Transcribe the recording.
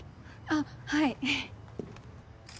あっはい。